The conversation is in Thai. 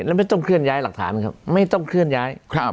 แล้วไม่ต้องเคลื่อนย้ายหลักฐานครับไม่ต้องเคลื่อนย้าย